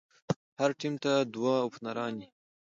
هر ټيم ته دوه اوپنران يي.